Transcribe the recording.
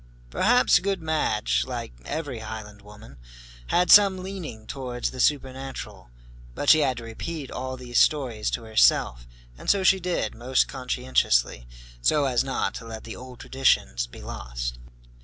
Perhaps good Madge, like every Highland woman, had some leaning towards the supernatural. But she had to repeat all these stories to herself, and so she did, most conscientiously, so as not to let the old traditions be lost.